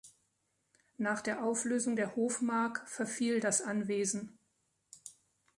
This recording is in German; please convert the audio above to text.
Nach der Auflösung der Hofmark verfiel das Anwesen.